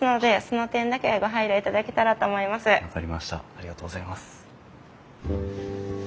ありがとうございます。